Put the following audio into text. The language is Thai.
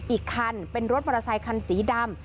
อีกคันเป็นรถมอเตอร์ไซคันสีดำ